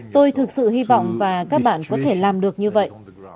tôi thực sự hy vọng và các bạn có thể làm được như vậy